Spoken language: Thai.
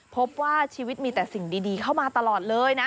พบว่าชีวิตมีแต่สิ่งดีเข้ามาตลอดเลยนะ